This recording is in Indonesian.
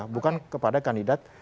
bukan kepada kandidat